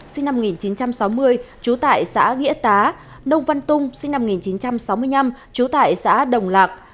sinh năm một nghìn chín trăm sáu mươi trú tại xã nghĩa tá nông văn tung sinh năm một nghìn chín trăm sáu mươi năm trú tại xã đồng lạc